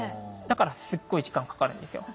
だからすっごい時間かかるんですよ。